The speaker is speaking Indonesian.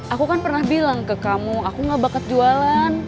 aku kan pernah bilang ke kamu aku gak bakat jualan